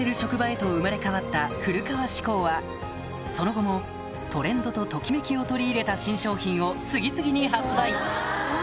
へと生まれ変わった古川紙工はその後もトレンドとときめきを取り入れた新商品を次々に発売